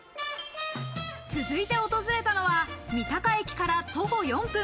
続いて訪れたのは三鷹駅から徒歩４分。